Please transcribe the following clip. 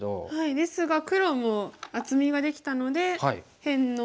ですが黒も厚みができたので辺のいいところに。